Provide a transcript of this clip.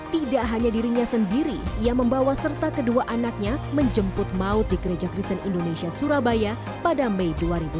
tidak hanya dirinya sendiri ia membawa serta kedua anaknya menjemput maut di gereja kristen indonesia surabaya pada mei dua ribu dua puluh